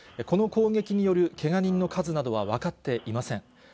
この攻撃によるけが人の数などは分かっていません。